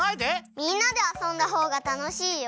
みんなであそんだほうがたのしいよ。